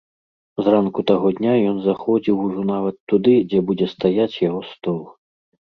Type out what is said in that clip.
Зранку таго дня ён заходзіў ужо нават туды, дзе будзе стаяць яго стол.